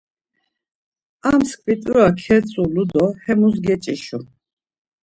Ar mtskvit̆ura ketzulu do hemus geç̌işu.